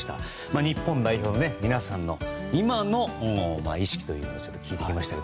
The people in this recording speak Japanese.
日本代表の皆さんの今の意識を聞いてきました。